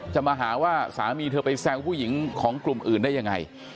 จะมาหาว่าสามีเธอไปแซวผู้หญิงของกลุ่มอื่นได้ยังไง